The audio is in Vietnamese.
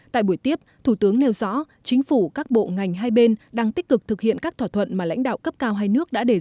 tại buổi tiếp thủ tướng nêu rõ chính phủ các bộ ngành hai bên đang tích cực thực hiện các thỏa thuận